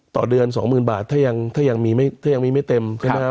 ต่อเดือน๒๐๐๐๐บาทถ้ายังมีไม่เต็ม